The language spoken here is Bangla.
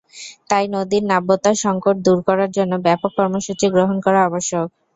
তাই নদীর নাব্যতাসংকট দূর করার জন্য ব্যাপক কর্মসূচি গ্রহণ করা আবশ্যক।